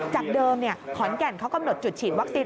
จากเดิมขอนแก่นเขากำหนดจุดฉีดวัคซีน